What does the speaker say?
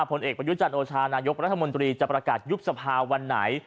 ผลเอกประยุจันทร์โอชานายกรัฐมนตรีจะประกาศยุบสภาวันไหน